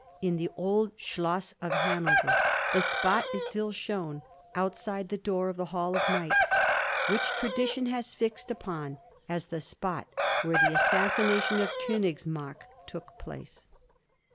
In the old schloss of Hanover the spot is still shown, outside the door of the Hall of Knights, which tradition has fixed upon as the spot where the assassination of Konigsmark took place.